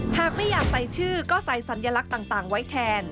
หากไม่อยากใส่ชื่อก็ใส่สัญลักษณ์ต่างไว้แทน